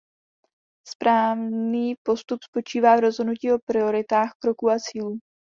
Správný postup spočívá v rozhodnutí o prioritách kroků a cílů.